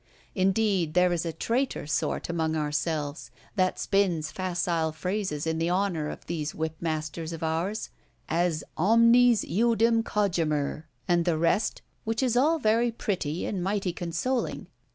Indeed, there is a traitor sort among ourselves, that spins facile phrases in the honour of these whipmasters of ours—as "omnes eodem cogimur," and the rest; which is all very pretty and mighty consoling.